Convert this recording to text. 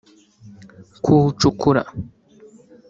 kuwucukura